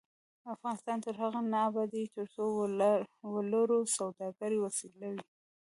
افغانستان تر هغو نه ابادیږي، ترڅو ولور د سوداګرۍ وسیله وي.